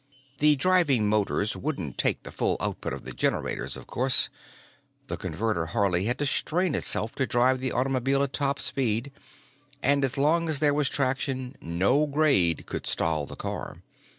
The driving motors wouldn't take the full output of the generators, of course; the Converter hardly had to strain itself to drive the automobile at top speed, and, as long as there was traction, no grade could stall the car.